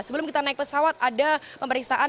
sebelum kita naik pesawat ada pemeriksaan